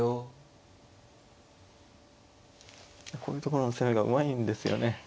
こういうとこの攻めがうまいんですよね。